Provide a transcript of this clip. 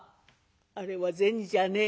「あれは銭じゃねえ」。